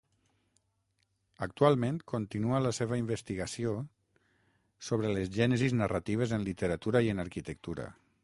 Actualment continua la seva investigació sobre les gènesis narratives en literatura i en arquitectura.